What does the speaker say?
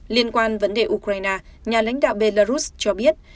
liên quan vấn đề ukraine nhà lãnh đạo belarus cho biết